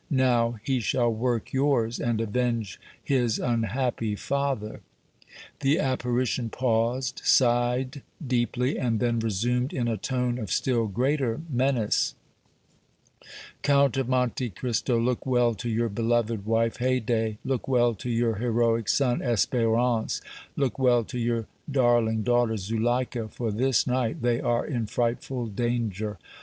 Now, he shall work yours, and avenge his unhappy father!" The apparition paused, sighed deeply, and then resumed in a tone of still greater menace: "Count of Monte Cristo, look well to your beloved wife, Haydée, look well to your heroic son, Espérance, look well to your darling daughter, Zuleika, for this night they are in frightful danger!